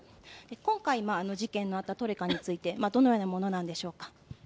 今回、事件のあったトレカについて、どのようなものなんでしょうか。